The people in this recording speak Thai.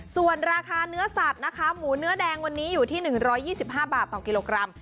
ส่วนราคาเนื้อสัตว์นะคะหมูเนื้อแดงวันนี้อยู่ที่๑๒๕บาทต่อกิโลกรัม